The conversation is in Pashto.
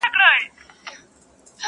o زما د وطن د شهامت او طوفانونو کیسې,